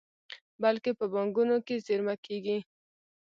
بلکې په بانکونو کې زېرمه کیږي.